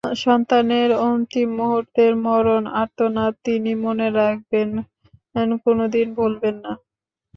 সন্তানের অন্তিম মুহূর্তের মরণ আর্তনাদ তিনি মনে রাখবেন, কোনো দিন ভুলবেন না।